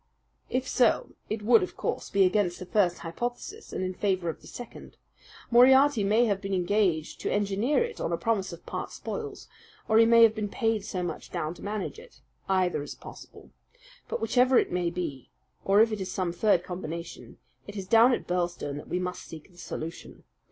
"If so, it would, of course, be against the first hypothesis and in favour of the second. Moriarty may have been engaged to engineer it on a promise of part spoils, or he may have been paid so much down to manage it. Either is possible. But whichever it may be, or if it is some third combination, it is down at Birlstone that we must seek the solution.